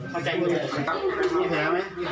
ก็ได้